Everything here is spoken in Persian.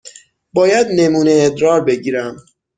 باید نمونه ادرار بگیریم.